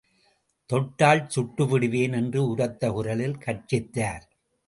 தொட்டால் சுட்டுவிடுவேன் என்று உரத்த குரலில் கர்ஜித்தார்.